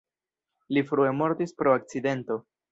Li frue mortis pro akcidento.